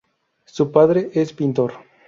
Su padre es pintor.